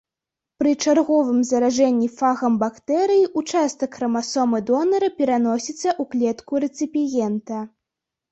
Пры чарговым заражэнні фагам бактэрыі ўчастак храмасомы донара пераносіцца ў клетку рэцыпіента.